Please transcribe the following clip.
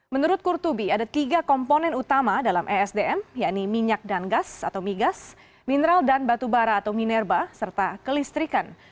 menurut kurtubi ada tiga komponen utama dalam esdm yaitu minyak dan gas atau migas mineral dan batu bara atau minerba serta kelistrikan